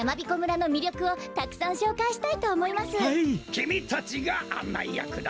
きみたちがあんないやくだ。